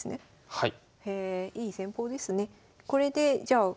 はい。